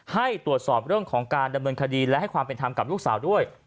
ให้ตรวจสอบเรื่องของการดำเนินคดีและให้ความเป็นธรรมกับลูกสาวด้วย